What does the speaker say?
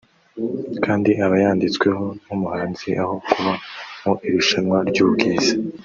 kandi aba yanditsweho nk’umuhanzi aho kuba mu irushanwa ry’ubwiza